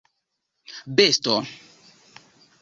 besto